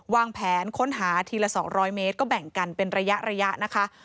วางแผนค้นหาทีละ๒๐๐เมตรก็แบ่งกันเป็นระยะนะคะ